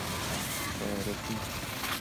تعارفی